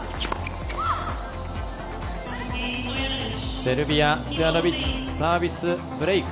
セルビア、ストヤノビッチサービスブレーク。